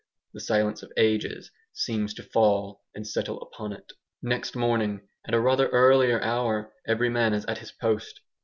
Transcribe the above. The silence of ages seems to fall and settle upon it. Next morning at a rather earlier hour every man is at his post.